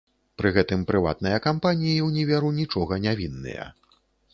Пры гэтым прыватныя кампаніі ўніверу нічога не вінныя.